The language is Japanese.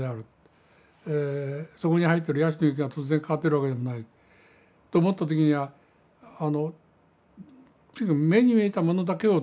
そこに生えてるヤシの木が突然変わってるわけでもないと思った時にはとにかく目に見えたものだけを撮る。